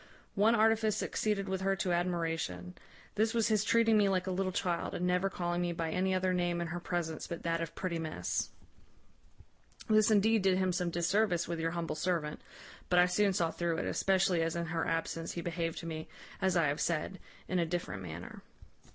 One artifice succeeded with her to admiration. This was his treating me like a little child, and never calling me by any other name in her presence but that of pretty miss. This indeed did him some disservice with your humble servant; but I soon saw through it, especially as in her absence he behaved to me, as I have said, in a different manner.